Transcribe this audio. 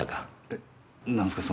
え何すか？